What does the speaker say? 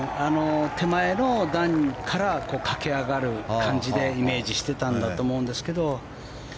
手前の段から駆け上がる感じでイメージしていたんだと思うんですけど。